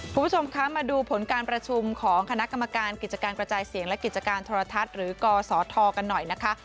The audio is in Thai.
คุณผู้ชมคะมาดูผลการประชุมของคณะกรรมการกิจการกระจายเสียงและกิจการโทรทัศน์หรือกศธกันหน่อยนะคะ